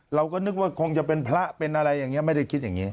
เราก็นึกว่าคงจะเป็นพระเป็นอะไรอย่างนี้ไม่ได้คิดอย่างนี้